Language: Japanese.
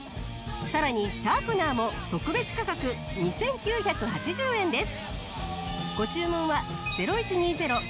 さらにシャープナーも特別価格２９８０円です。